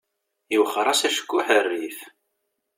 Iwexxer-as acekkuḥ ɣer rrif.